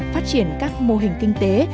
phát triển các mô hình kinh tế